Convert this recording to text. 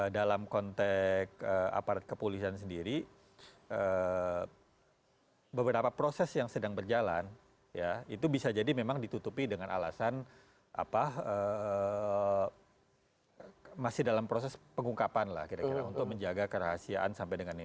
dalam konteks aparat kepolisian sendiri beberapa proses yang sedang berjalan ya itu bisa jadi memang ditutupi dengan alasan masih dalam proses pengungkapan lah kira kira untuk menjaga kerahasiaan sampai dengan ini